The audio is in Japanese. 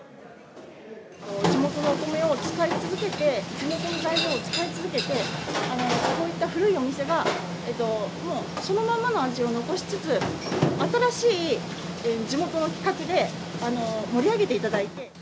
地元のお米を使い続けて、地元の材料を使い続けて、こういった古いお店がそのままの味を残しつつ、新しい地元の企画で盛り上げていただいて。